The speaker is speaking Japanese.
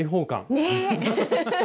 ねえ！